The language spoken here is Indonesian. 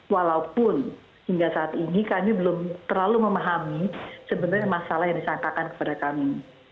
walaupun hingga saat ini kami belum terlalu memahami sebenarnya masalah yang disangkakan kepada kami